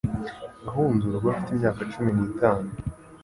Nahunze urugo mfite imyaka cumi n'itatu